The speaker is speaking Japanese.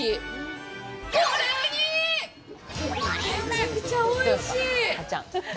めちゃくちゃおいしい！